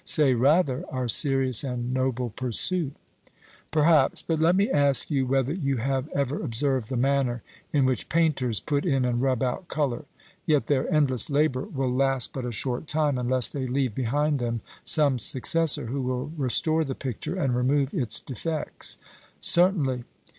'Say, rather, our serious and noble pursuit.' Perhaps; but let me ask you whether you have ever observed the manner in which painters put in and rub out colour: yet their endless labour will last but a short time, unless they leave behind them some successor who will restore the picture and remove its defects. 'Certainly.'